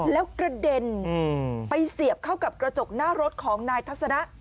แล้วกระเด็นไปเสียบเข้ากับกระจกหน้ารถของนายทัศนะ